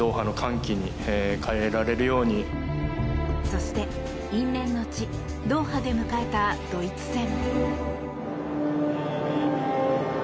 そして、因縁の地ドーハで迎えたドイツ戦。